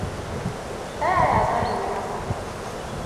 Ta yaya za mu yi haka?